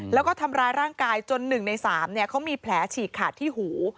แล้วก็ทำร้ายร่างกายจน๑ใน๓เขามีแผลฉีกขาดที่หู